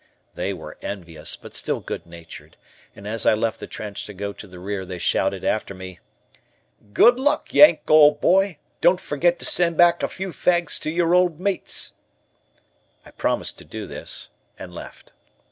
They were envious but still good natured, and as I left the trench to go to the rear they shouted after me: "Good luck, Yank, old boy, don't forget to send up a few fags to your old mates." I promised to do this and left.